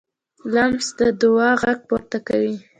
لمسی د دعا غږ پورته کوي.